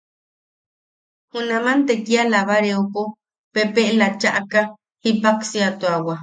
Junaman te kia labareopo pepeʼela chaʼaka, jippaksiatuawa.